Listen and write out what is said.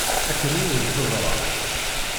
Akken i wen-teḍra.